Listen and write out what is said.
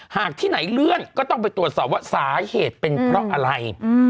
หากที่ไหนเลื่อนก็ต้องไปตรวจสอบว่าสาเหตุเป็นเพราะอะไร